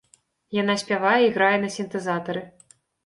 Яна спявае і грае на сінтэзатары.